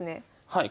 はい。